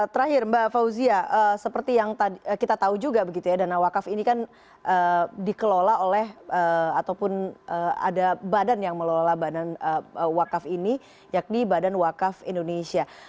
terakhir mbak fauzia seperti yang kita tahu juga begitu ya dana wakaf ini kan dikelola oleh ataupun ada badan yang mengelola badan wakaf ini yakni badan wakaf indonesia